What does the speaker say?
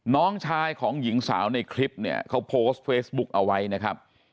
น้องชายของหญิงสาวในคลิปเนี่ยเขาโพสต์เฟซบุ๊กเอาไว้นะครับ